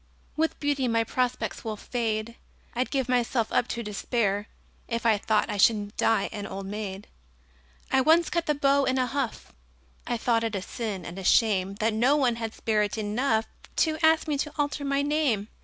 With beauty my prospects will fade I'd give myself up to despair If I thought I should die an old maid! I once cut the beaux in a huff I thought it a sin and a shame That no one had spirit enough To ask me to alter my name.